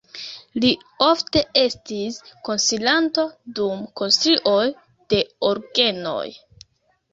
Li ofte estis konsilanto dum konstruoj de orgenoj.